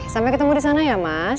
sampai ketemu di sana ya mas